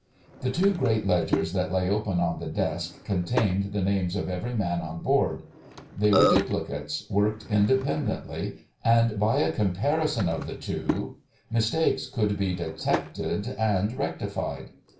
The two great ledgers that lay open on the desk contained the names of every man on board. They were duplicates, worked independently, and by a comparison of the two mistakes could be detected and rectified.